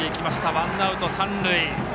ワンアウト三塁。